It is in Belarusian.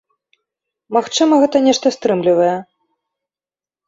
Магчыма гэта нешта стрымлівае.